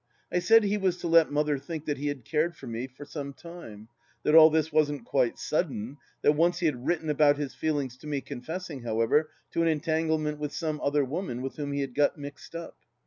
I said he was to let Mother think that he had cared for me for some time ; that all this wasn't quite sudden ; that once he had written about his feelings to me, confessing, however, to an entanglement with some other woman with whom he had got mixed up.